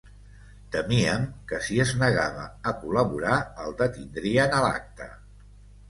Temíem que si es negava a “col·laborar” el detindrien a l’acte.